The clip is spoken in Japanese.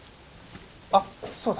あっそうだ。